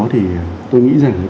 thì tôi nghĩ rằng